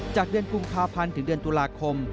จากเดือนกุมภาพันธ์ถึงเดือนตุลาคม